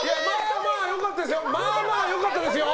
まあまあ、良かったですよ！